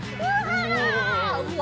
うわ。